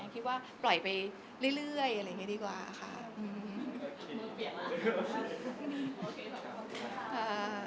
คิดว่าปล่อยไปเรื่อยดีกว่าค่ะ